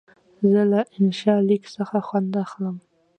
زه له انشا لیک څخه خوند اخلم.